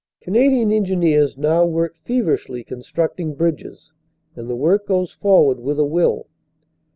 Canadian Engineers now work feverishly constructing bridges, and the work goes forward with a will.